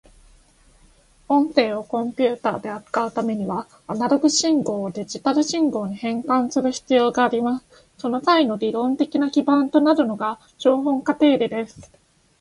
音声をコンピュータで扱うためには、アナログ信号をデジタル信号に変換する必要があります。その際の理論的な基盤となるのが標本化定理です。